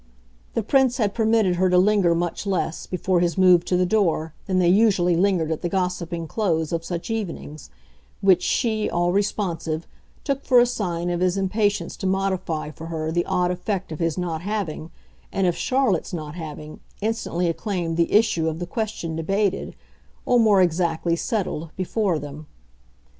The Prince had permitted her to linger much less, before his move to the door, than they usually lingered at the gossiping close of such evenings; which she, all responsive, took for a sign of his impatience to modify for her the odd effect of his not having, and of Charlotte's not having, instantly acclaimed the issue of the question debated, or more exactly, settled, before them.